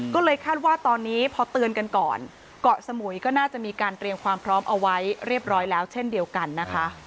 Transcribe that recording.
ก็เลยคาดว่าตอนนี้พอเตือนกันก่อนเกาะสมุยก็น่าจะมีการเตรียมความพร้อมเอาไว้เรียบร้อยแล้วเช่นเดียวกันนะคะ